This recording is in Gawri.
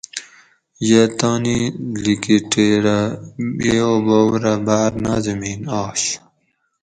یہ تانی لکی ٹیرہ ییو بوب رہ باۤر نازمین آش